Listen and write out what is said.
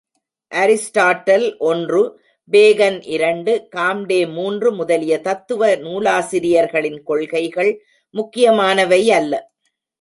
Aristotle, ஒன்று Bacon, இரண்டு Comte மூன்று முதலிய தத்துவ நூலாசிரியர்களின் கொள்கைகள் முக்கியமானவை அல்ல.